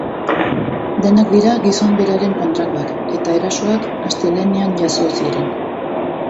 Denak dira gizon beraren kontrakoak, eta erasoak astelehenean jazo ziren.